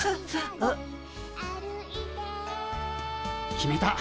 決めた。